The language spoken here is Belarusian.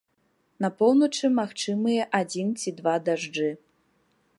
На поўначы магчымыя адзін ці два дажджы.